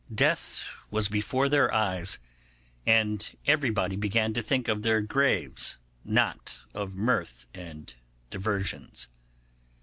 Death was before their eyes, and everybody began to think of their graves, not of mirth and diversions.